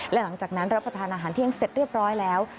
และหลังจากนั้นรับประทานอาหารเที่ยงเสร็จเรียบร้อยแล้ว